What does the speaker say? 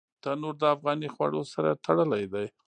تنور د افغاني خوړو سره تړلی دی